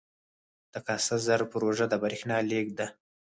د کاسا زر پروژه د بریښنا لیږد ده